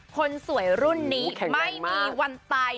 คนสวยรุ่นนี้ไม่มีวันตาย